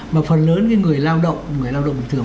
mà phần lớn người lao động người lao động bình thường